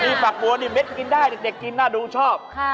มีฝักบัวเด็กน่าดูชอบ